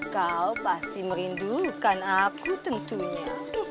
kau pasti merindukan aku tentunya